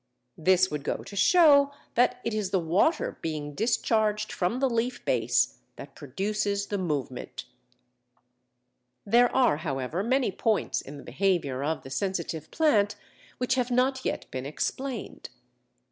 This would go to show that it is the water being discharged from the leaf base that produces the movement. There are, however, many points in the behaviour of the Sensitive Plant which have not yet been explained.